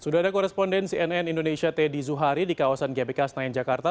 sudah ada koresponden cnn indonesia teddy zuhari di kawasan gbk senayan jakarta